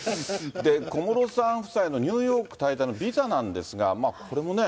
小室さん夫妻のニューヨーク滞在のビザなんですが、これもね。